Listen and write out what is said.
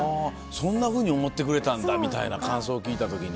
「そんなふうに思ってくれたんだ」みたいな感想聞いた時に。